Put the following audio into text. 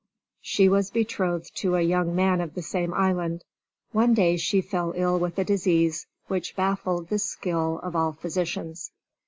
She was betrothed to a young man of the same island. One day she fell ill with a disease which baffled the skill of all the physicians.